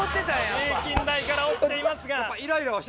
平均台から落ちていますが。